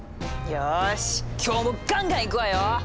よし今日もガンガンいくわよ！